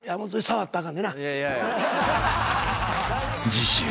［次週］